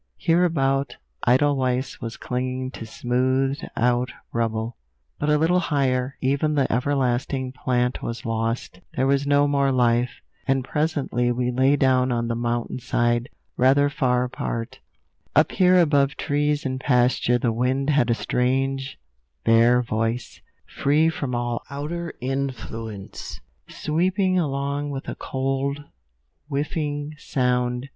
Hereabout edelweiss was clinging to smoothed out rubble; but a little higher, even the everlasting plant was lost, there was no more life. And presently we lay down on the mountain side, rather far apart. Up here above trees and pasture the wind had a strange, bare voice, free from all outer influence, sweeping along with a cold, whiffing sound.